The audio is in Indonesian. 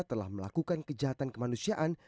telah melakukan kejahatan kemanusiaan